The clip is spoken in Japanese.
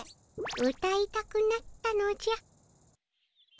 うたいたくなったのじゃ。